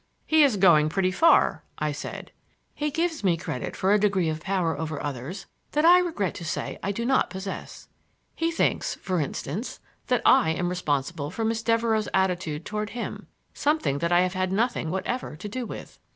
"He is going pretty far," I said. "He gives me credit for a degree of power over others that I regret to say I do not possess. He thinks, for instance, that I am responsible for Miss Devereux's attitude toward him,—something that I have had nothing whatever to do with."